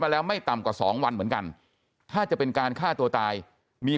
แล้วไม่ต่ำกว่า๒วันเหมือนกันถ้าจะเป็นการฆ่าตัวตายมี